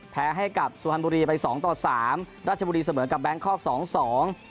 แพ้ให้กับสูฮัลบุรีไป๒๓ราชบุรีเสมอกับแบงค์คอร์ก๒๒